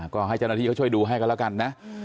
ก็ให้เจ้าหน้าที่เขาช่วยดูให้กันแล้วกันนะ